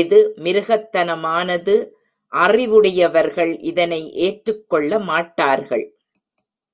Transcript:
இது மிருகத்தனமானது அறிவுடையவர்கள் இதனை ஏற்றுக்கொள்ள மாட்டார்கள்.